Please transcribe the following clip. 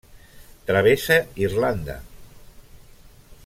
Travessa Irlanda.